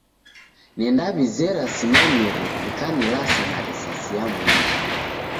Nendaw'izera simanyire w'ikanilasa na risasi ya mwindi.